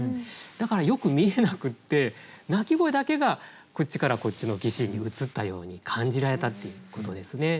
だからよく見えなくって鳴き声だけがこっちからこっちの岸に移ったように感じられたっていうことですね。